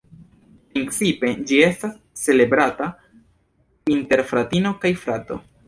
Principe ĝi estas celebrata inter fratino kaj frato.